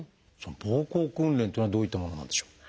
ぼうこう訓練というのはどういったものなんでしょう？